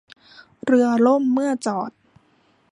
เรือล่มเมื่อจอด